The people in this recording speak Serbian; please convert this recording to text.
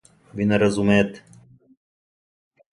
Ви не разумете?